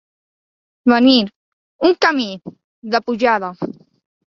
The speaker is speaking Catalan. Venir, un camí, de pujada.